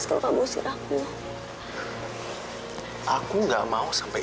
waktu buat ngurus anak